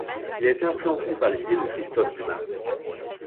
Il a été influencé par les idées de Christoph Blumhardt.